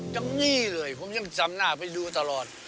จังนี่เลยผมยังจำหน้าไปดูตลอด